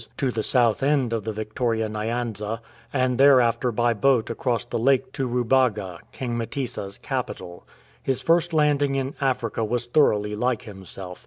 to the south end of the 119 A NOVEL WAY OF LANDING Victoria Nyanza, and thereafter by boat across the Lake to Rubaga, King Mtesa's capital. His first landing in Africa was thoroughly like himself.